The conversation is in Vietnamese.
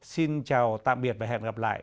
xin chào tạm biệt và hẹn gặp lại